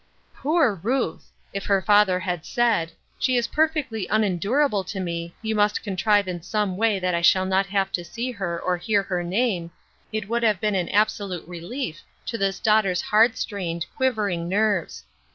Poor Ruth ! If her father had said, " She is perfectly unendurable to me ; you must contrive in some way that I shall not have to see her or hear her name," it would have been an absolute relief to his daughter's hard strained, quivering nerves.